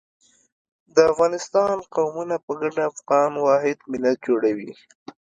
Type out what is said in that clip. د افغانستان قومونه په ګډه افغان واحد ملت جوړوي.